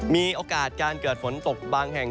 มีโอกาสการเกิดฝนตกบางแห่ง